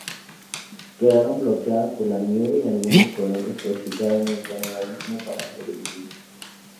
Quedaron bloqueados por la nieve, y algunos colonos practicaron el canibalismo para sobrevivir.